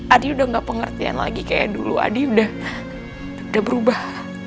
adi udah gak pengertian lagi kayak dulu adi udah berubah